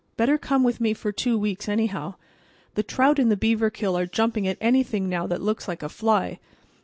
Better come with me for two weeks, anyhow. The trout in the Beaverkill are jumping at anything now that looks like a fly.